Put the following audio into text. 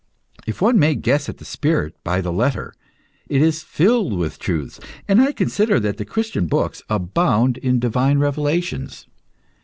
If one may guess at the spirit by the letter, it is filled with truths, and I consider that the Christian books abound in divine revelations.